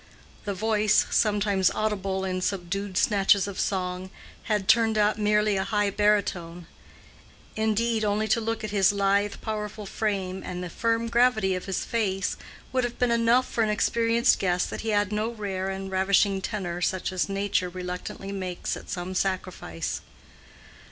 The voice, sometimes audible in subdued snatches of song, had turned out merely a high baritone; indeed, only to look at his lithe, powerful frame and the firm gravity of his face would have been enough for an experienced guess that he had no rare and ravishing tenor such as nature reluctantly makes at some sacrifice.